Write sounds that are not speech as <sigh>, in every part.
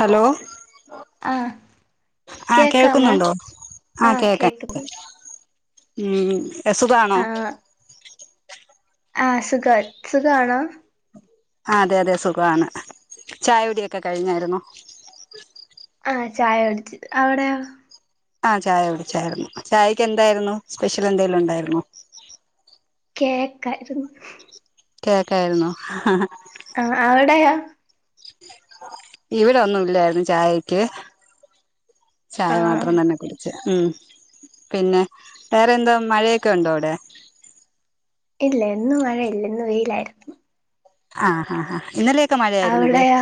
Hello. ആഹ്. ആഹ് കേൾക്കുന്നുണ്ടോ ആ ആഹ് കേൾക്കാ കേ കേക്കുന്നു ഉം യസുഖാണോ? ആഹ് സുഖം സുഖണോ? ആ അതെ അതെ സുഖമാണ് ചായകുടിയൊക്കെ കഴിഞ്ഞായിരു ന്നോ? ആ ചായ കുടിച്ച അവിടെയോ? ആ ചായ കുടിച്ചായിരുന്നു ചായയ്ക്ക് എന്തായിരുന്നു സ്പെഷ്യൽ എന്തെങ്കിലും ഉണ്ടായിരുന്നോ? കേക്കായിരുന്നു കേക്കായിരുന്നോ ഹഹാ ഹാഹാ. ആ അവിടെയോ? ഇവിടെ ഒന്നുംല്ലായിരുന്നു ചായക്ക്. ആ ചായ മാത്രം തന്നെ കുടിച്ച് ഉം പിന്നെ വേറെന്തോ മഴയൊക്കെണ്ടോ അവിടെ? ഇല്ല ഇന്നു മഴയില്ല ഇന്ന് വെയിലായിരുന്നു. ആ ആ ആ ഇന്നലെ. അവിടെയൊ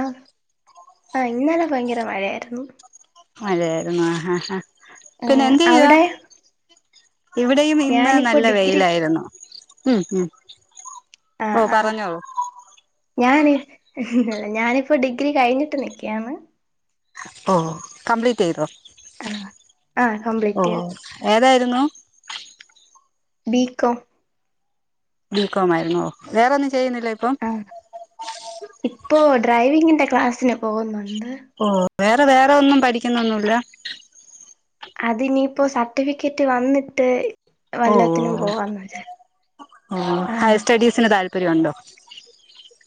ആ ഇന്നലെ ഭയങ്കര മഴയായിരുന്നു. മഴയായിരുന്നു ആഹാ ആ പിന്നെ ഉം എന്ത് ചെയ്യുവാ? അവിടെ ഇവിടെയും ഇന്ന് ഞാനിപ്പോ നല്ല ഡിഗ്രി വെയിലായിരുന്നു മ്മ് മ്മ്. ആ ഓ ആ പറഞ്ഞോളൂ. ഞാന് ഞാനിപ്പോ ഡിഗ്രി കഴിഞ്ഞിട്ട് നിക്കയാണ്. ഓ കംപ്ലീറ്റ് ചെയിതോ? ആ ആഹ് കംപ്ലീറ്റെയ്തു. ഏതായിരുന്നു. ബീക്കൊ. ബികോം ആയിരുന്ന വേറെൊന്നും ചെയ്യുന്നില്ല ഇപ്പം. ആ ഇപ്പോ ഡ്രൈവിങ്ങിന്റെ ക്ലാസ്സിന് പോകുന്നുണ്ട്. ഓ വേറെ വേറെ ഒന്നും പഠിക്കുന്നൊന്നുല്ല. അതിനിയിപ്പോ സർട്ടിഫിക്കറ്റ് വന്നിട്ട്. ഓ ഓ വല്ലത്തിനും പോവാന്ന് വിചാ ഓ ആഹ് ഹയർ സ്റ്റഡീസിന് താല്പര്യം ണ്ടോ.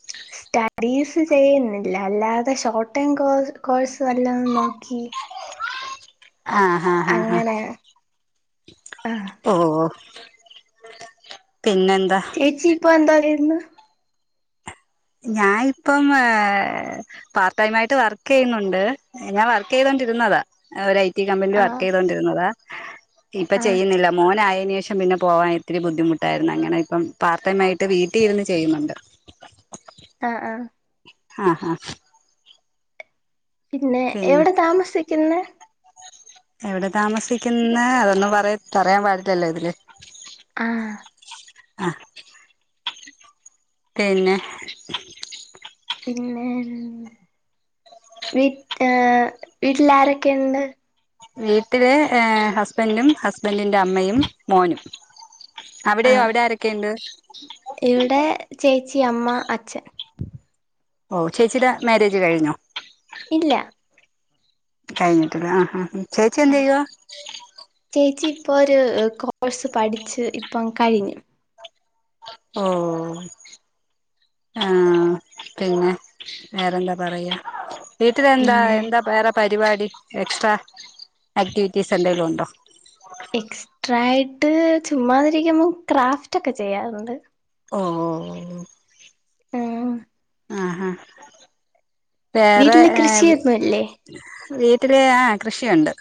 <inaudible> സ്റ്റഡീസ് ചെയ്യുന്നില്ല അല്ലാതെ ഷോർട്ട് ടേം കോ കോഴ്സ് വല്ലോംന്ന് നോക്കി. ആഹ് ഹാ ആഹ് ഹാ. അങ്ങനെ ആഹ് ഓ പിന്നെന്താ. ചേച്ചി ഇപ്പെന്തോന്ന് ചെയ്യന്ന് ഞാൻ ഇപ്പം ഏ. പാർട്ട് ടൈം ആയിട്ട് വർക്ക് ചെയ്യുന്നുണ്ട് ഞാൻ വർക്ക് ചെയ്തോണ്ടിരുന്നതാ. ഒരു ഐ ടി കമ്പനിയില് ആഹ് വർക്ക് ചെയ്തോണ്ടിരുന്നതാ. ഇപ്പൊ ആഹ് ചെയ്യുന്നില്ല മോനായതിന്ന് ശേഷം പിന്നെ പോവാൻ ഇത്തിരി ബുദ്ധിമുട്ടായിരുന്നു അങ്ങനെ ഇപ്പം പാർ ടൈംമായി. വീട്ടിൽ ഇരുന്ന് ചെയ്യുന്നുണ്ട്. ആഹ് ആഹ് ആഹാ പിന്നെ എവിടെ താമസിക്കിന്നെ എവിടെ താമസിക്കിന്നെ അതൊന്നും പറ പറയാൻ പാടില്ലല്ലോ ഇതില് ആഹ് ആഹ് പിന്നെ പിന്നെ വീട് ഏഹ് വീട്ട്ൽ ആരൊക്കെണ്ട് വീട്ടില് ഏഹ് ഹസ്‌ബൻഡും ഹസ്ബൻഡിൻ്റെ അമ്മെയും മോനും അവിടെയോ ആഹ് അവിടെ ആരെക്കേണ്ട് ഇവിടെ ചേച്ചി അമ്മ അച്ഛൻ ഓഹ് ചേച്ചിടെ മാര്യേജ് കഴിഞ്ഞോ ഇല്ല കഴിഞ്ഞിട്ടില്ല ആഹ് ഹാ ഹും ചേച്ചി എന്തെയ്യുവ ചേച്ചി ഇപ്പൊ ഒരു ആഹ് കോഴ്സ് പഠിച്ച് ഇപ്പം കഴിഞ്ഞ് ഓഹ്‌ ആഹ് പിന്നെ വേറെന്താ പറയാ വീട്ടിലെന്താ പിന്നെ എന്താ വേറെ പരിപാടി എക്ട്രാ ആക്ടിവിറ്റീസെന്തേലും ഒണ്ടോ എക്സ്ട്രാ ആയിട്ട് ചുമ്മാതിരിക്കുമ്പം ക്രാഫ്റ്റൊക്ക ചെയ്യാറുണ്ട് ഓ ഓ ഓ ആഹ് ആഹ് ആഹ് വേറെ വീട്ടില് എന്ത് കൃഷിയൊന്നുല്ലേ വീട്ടില് ആഹ് കൃഷിയൊണ്ട്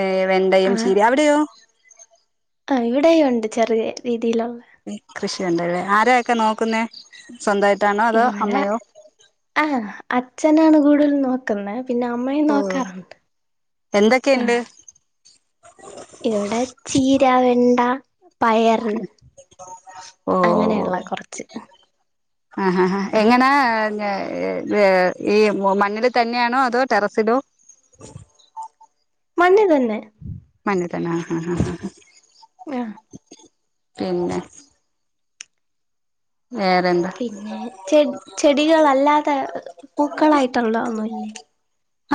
ഏഹ് വെണ്ടയും ആഹ് ചീരയും അവിടെയോ? ആഹ് ഇവിടേയും ഒണ്ട് ചെറിയേ രീതിയിലോന്ന് ഏഹ് കൃഷിയൊണ്ടല്ലേ ആരാ അതൊക്കെ നോക്കുന്നെ സ്വന്തയിട്ടാണോ അതോ അമ്മയോ അഹ് അച്ഛനാണ് കൂടുതലും നോക്കുന്നെ പിന്നെ അമ്മയും ഓ നോക്കാ എന്തൊക്കെയുണ്ട് ആഹ് ഇവടെ ചീര, വെണ്ട പയറ് ഓ അങ്ങനെയൊള്ള കൊറച്ച് ആഹ് ആഹ് എങ്ങനാ ഞ ഏ വേ ഈ മൂ മണ്ണില് തന്നെയാണോ അതോ ടെറസിലോ മണ്ണീ തന്നെ മണ്ണ് തന്നെ ആഹ് ആഹ് ആഹ് ആഹ് ആഹ് പിന്നെ വേറെന്താ പിന്നേ ചെട് ചെടികളല്ലാതെ ഇഹ് പൂക്കളായിട്ടൊള്ള ഒന്നുവില്ലേ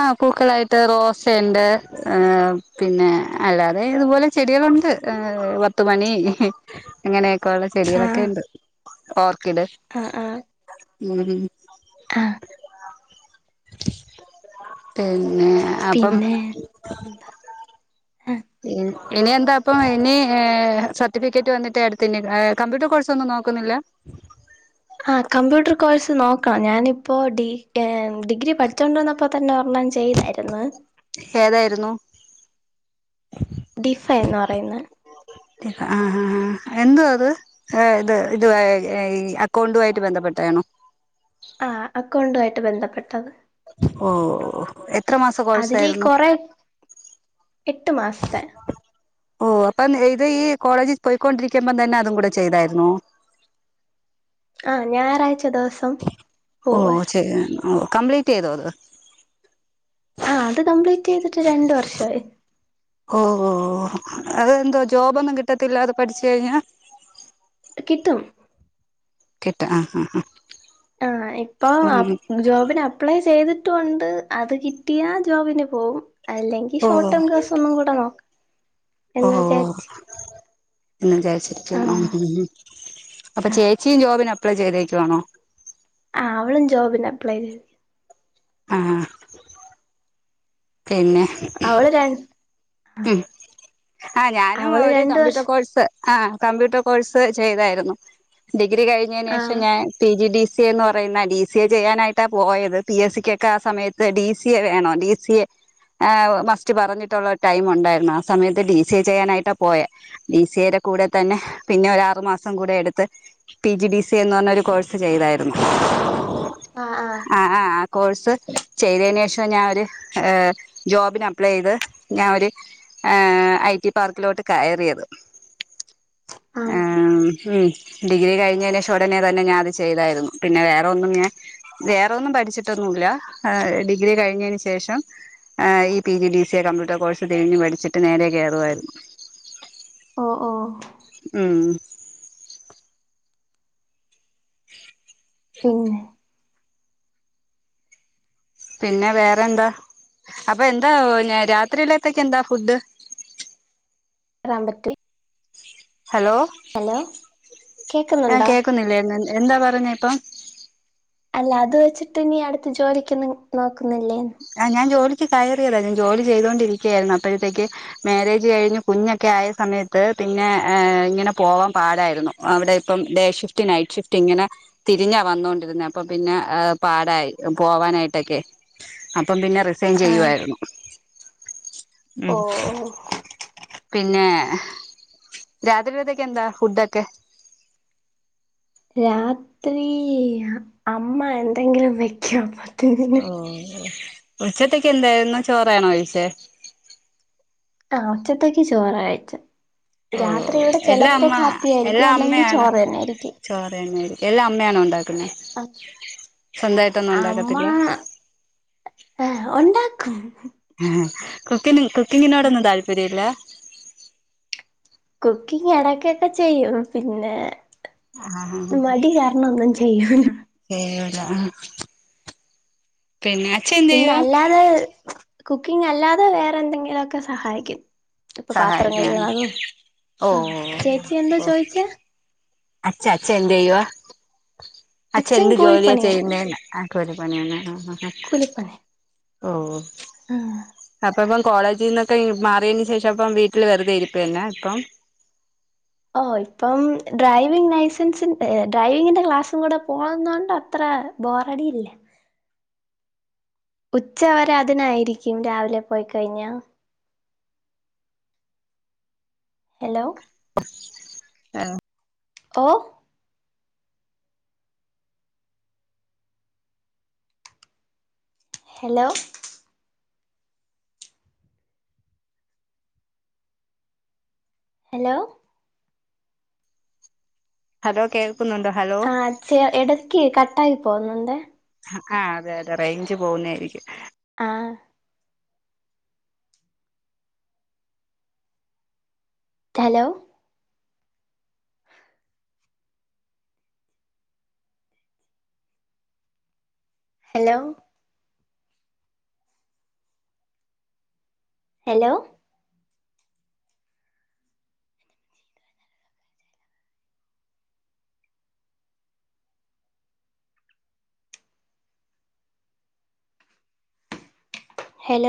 ആഹ് പൂക്കളായിട്ട് റോസയിണ്ട് ഏഹ് പിന്നെ അല്ലാതെ ഇതുപോലെ ചെടികളൊണ്ട് ഇഹ് പത്തുമണി അങ്ങനെയൊക്കെ ഒള്ള ആഹ് ചെടികളൊക്കെയുണ്ട് ഓർക്കിഡ് ആഹ് അഹ് ഉം ആഹ് പിന്നെ അപ്പം പിന്നെ ആ ഇനി എന്താ അപ്പൊ ഇനി ഏഹ് സർട്ടിഫിക്കെറ്റ് വന്നിട്ടെ അട്ത്തെ ഇനി കമ്പ്യൂട്ടർ കോഴ്സാെന്നും നോക്കുന്നില്ല ആഹ് കമ്പ്യൂട്ടർ കോഴ്സ് നോക്കണം ഞാനിപ്പോ ഡി കേം ഡിഗ്രി പഠിച്ചോണ്ടിരുന്ന അപ്പൊ തന്നെ ഒരെണ്ണം ചെയ്തായിര്ന്ന് ഏതായിരുന്നു ഡിഫെൻ ന്ന് പറയുന്ന ആഹ്. ആഹ്. ആഹ് എന്ത്യാ അത് ഏ ഇത് ഇത് അക്കൗണ്ടുമായിട്ട് ബന്ധപ്പെട്ടതണോ ആഹ്. അക്കൗണ്ടു ആയിട്ട് ബന്ധപ്പെട്ടത്. ഓഹ് എത്ര മാസ അതില് കോഴ്സായ്ര്ന്നു കൊറെ എട്ട് മാസ്ത്തെ ഓഹോ അപ്പം ഇത് ഈ കോളേജി പൊയ്ക്കൊണ്ടിരിക്കുമ്പം തന്നെ അതും കൂടെ ചെയ്തായ്ര്ന്നോ ആഹ് ഞായറാഴ്ച്ച ദിവസം ഓ പോവ ചെയ്യാൻ ഓ കംപ്ലീറ്റെയ്തോ അത് ആഹ് അത് കംപ്ലീറ്റെയ്തിട്ട് രണ്ട് വർഷവായ് ഓഹ് ഓഹ് അതെന്താ ജോബൊന്നും കിട്ടത്തില്ലാ അത് പഠിച്ച് കഴിഞ്ഞാ കിട്ടും കിട്ടും ആഹ് ഹാ ആഹ് ആഹ് ഇപ്പൊ അ ജോബ്ന് അ പ്പ്ളേ ചെയ്തിട്ടാെണ്ട് അത് കിട്ടിയാ ജോബ്ന് പോവും അല്ലെങ്കി ഓ ഷോട്ടോം കേസ് ഒന്നും കൂടെ നോക്കാം എന്ന് ഓ വിചാര്ച്ച് എന്ന് വിചാച്ചിരിക്കുവാണോ ഉം അപ്പൊ ചേച്ചിയും ജോബ്ന് അപ്ലൈ ചെയ്തേക്കുവാണോ ആഹ് അവളും ജോബ്ന് അപ്ലൈ ചെയ്ത് ആഹ് തെന്നെ അവള് രൺ ഉം ആഹ് ഞാനും അവള് ഒര് രണ്ട് വർഷം കമ്പ്യൂട്ടർ കോഴ്സ് ആഹ് കമ്പ്യൂട്ടെർ കോഴ്സ് ചെയ്തായ്ര്ന്നു ഡിഗ്രി കഴിഞ്ഞേനേഷം ആഹ് ഞാൻ പിജിഡിസി എന്ന് പറയുന്ന ഡിസിഎ ചെയ്യാനായിട്ടാണ് പോയത് പിഎസിയൊക്കെ ആ സമയത്ത് ഡിസിഎ വേണോ ഡിസി സിഎ മസ്റ്റ് പറഞ്ഞിട്ടുള്ള ടൈം ഉണ്ടായിരുന്നു ആ സമയത്ത് ഡിസി ചെയ്യാനായിട്ടാ പോയേ ബിസിയടെ കൂടെ തന്നെ പിന്നെ ഒരു ആറുമാസം കൂടെ എടുത്ത് പിജിഡിസി എന്ന് പറഞ്ഞൊരു കോഴ്സ് ചെയ്തായിരുന്നു ആ ആ ആ ആ ആ കോഴ്സ് ചെയ്തതിന് ശേഷം ഞാൻ ഒരു ജോബിന് അപ്‌ളേ ചെയ്ത് ചെയ്ത് ഞാനൊരു എ ഐ റ്റി പാർക്കിലോട്ട് കയറിയത് ആഹ് ഏമം ഡിഗ്രി കഴിഞ്ഞത് ശേഷം ഉടനെ തന്നെ ഞാൻ അത് ചെയ്തായിരുന്നു പിന്നെ വേറെ ഒന്നും ഞാൻ വേറൊന്നും പഠിച്ചിട്ടൊന്നുല്ല ഡിഗ്രി കഴിഞ്ഞതിന് ശേഷം ഈ പിജിഡിസി എ കമ്പ്യൂട്ടർ കോഴ്സ് തേഞ്ഞ് പഠിച്ചിട്ട് നേരെ കേറുവായിരുന്നു ഓ ഓ ഉം പിന്നെ പിന്നെ വേറെ എന്താ അപ്പൊ എന്താ രാത്രിയിലേക്ക് എന്താ ഫുഡ് ടാമ്പറ്റി ഹലോ ആ കേക്കുന്നുണ്ടോ കേൾക്കുന്നില്ലേ എന്താ പറഞ്ഞ ഇപ്പം അല്ല അത് വെച്ചിട്ട് നീ അടുത്ത് ജോലിക്കൊന്നും നോക്കുന്നില്ലേന്ന് ആ ഞാൻ ജോലിക്ക് കയറിയതാ ഞാൻ ജോലി ചെയ്തൊണ്ടിരിക്കുകയായിരുന്നു അപ്പോഴത്തേക്ക് മാര്യേജ് കഴിഞ്ഞ് കുഞ്ഞൊക്കെ ആയ സമയത്ത് പിന്നെ ഇങ്ങനെ പോവാൻ പാടായിരുന്നു അവിടെ ഇപ്പം ഡേ ഷിഫ്റ്റ് നൈറ്റ് ഷിഫ്റ്റ് ഇങ്ങനെ തിരിഞ്ഞാ വന്നോണ്ടിരുന്നെ അപ്പൊ പിന്നെ പാടായി പോവാനായിട്ടെക്കെ അപ്പം പിന്നെ റിസൈൻ ആഹ് ചെയ്യുവാരുന്നു ഉം ഓ ഓ പിന്നെ രാത്രീലെതേക്കെന്താ ഫുഡൊക്കെ രാത്രി അമ്മ എന്തെങ്കിലും വെക്കും ഓ ഓ ഉച്ചത്തേക്ക് എന്തായിരുന്നു ചോറ് ആണോ കഴിച്ചേ ആ ഉച്ചത്തേക്ക് ചോറാ കഴിച്ചേ ഓ രാത്രി ഇവിടെ എല്ലാം ചിലപ്പോ അമ്മ കാപ്പിയായിരിക്കും എല്ലാം അല്ലെങ്കിൽ അമ്മയാണ് ചോറ് തന്നെയായിരിക്കും ചോറ് തന്നെയായിരിക്കും എല്ലാം അമ്മയാണോ ഉണ്ടാക്കുന്നേ സ്വന്തമായിട്ടൊന്നും ഉണ്ടാക്കത്തില്ല ആ ഉണ്ടാക്കും ആ കുക്കിങ്ങി കുക്കിങ്ങിനോടൊന്നും താല്പര്യ ഇല്ല കുക്കിങ് എടക്കൊക്കെ ചെയ്യും പിന്നെ ആഹ് മടി കാരണം ഒന്നും ചെയ്യൂല ഏയ്യൂല പിന്നെ അച്ഛൻ എന്ത് പിന്നെ ചെയ്യുവാ അല്ലാതെ കുക്കിംഗല്ലാതെ വേറെന്തെങ്കിലുക്കെ സഹായ്ക്കും ഇപ്പൊ പാത്രം സഹായിക്കാണ് കഴുകണതും ഓ ഉം ചേച്ചി എന്താ ഓ ചോയിച്ചെ അച്ഛ അച്ഛ എന്തെയ്യുവ അച്ഛ അച്ഛൻ എന്ത് ജോലിയാ കൂലിപ്പണിയുണ്ട് ചെയ്യുന്നേന്ന് കൂലി പണിയാണ് ആഹ് ആഹ് അഹ് കൂലിപ്പണി ഓഹ് ഇമ് അപ്പപ്പം കോളേജീന്നൊക്കെ മാറിയേന് ശേഷം അപ്പം വീട്ടില് വെറുതെ ഇരിപ്പന്നെ ഇപ്പം ഓ ഇപ്പം ഡ്രൈവിംഗ് ലൈസൻസി ഡ്രൈവിഗിന്റെ ക്ലാസ്സുംകൂടെ പോകുനോണ്ട് അത്ര ബോറടിയില്ല ഉച്ചവരെ അതിനായിരിക്കും രാവിലെ പോയ്ക്കഴിഞ്ഞാ എലോ ആഹ് ഓ എലോ ഹലോ ഹലോ കേൾക്കുന്നുണ്ടോ ഹലോ ച എടക്ക് കട്ടായി പോവുന്നൊണ്ടെ ആഹ് അതെ അതെ റേഞ്ച് പോവുന്നായിരിക്കും ആഹ് ഹലോ ഹലോ ഹലോ ഹലോ